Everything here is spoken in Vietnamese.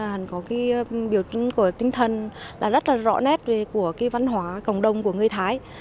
nó có cái biểu trưng của tinh thần là rất là rõ nét của cái văn hóa cộng đồng của người thái